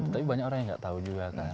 tapi banyak orang yang tidak tahu juga